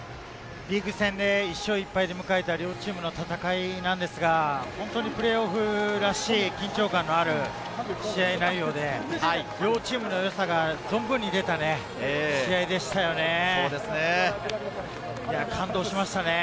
リーグ戦で１勝１敗で迎えた両チームの戦いなんですが、プレーオフらしい緊張感のある試合内容で、両チームの良さが存分に出た試合でしたよね。